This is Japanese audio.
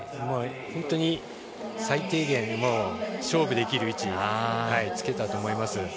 もう、本当に最低限、勝負できる位置につけたと思います。